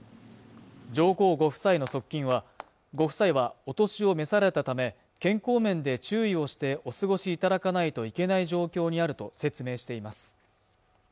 上皇ご夫妻の側近はご夫妻はお年を召されたため健康面で注意をしてお過ごしいただかないといけない状況にあると説明しています